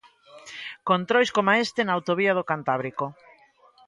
Controis coma este na autovía do Cantábrico.